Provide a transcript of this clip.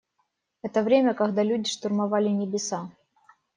Это время, когда люди штурмовали небеса.